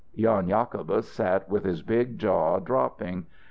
Jan Jacobus sat with his big jaw dropping.